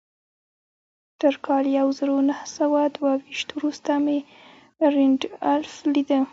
تر کال يو زر و نهه سوه دوه ويشت وروسته مې رينډالف ليده.